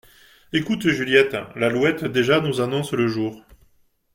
Ecoute Juliette, L’alouette déjà nous annonce le jour !